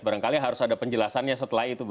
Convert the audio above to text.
barangkali harus ada penjelasannya setelah itu